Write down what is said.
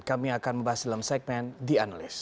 kami akan membahas dalam segmen the analyst